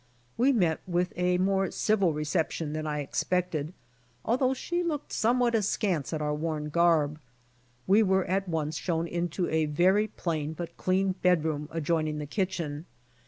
We met with a more civil reception than I expected, although she looked some 136 BY ox TEAM TO CALIFORNIA what askance at our worn garb. We were at once shown into a very plain but clean bed room adjoining the kitchen.